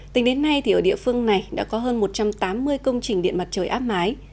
tính đến nay ở địa phương này đã có hơn một trăm tám mươi công trình điện mặt trời áp mái